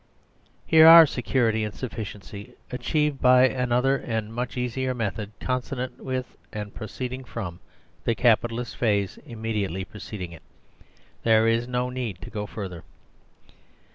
Here are security and sufficiency achieved by an other and much easier method, consonant with and proceeding from the Capitalist phase immediately preceding it : there is no need to go further.